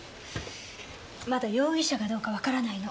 まだ容疑者かどうかわからないの。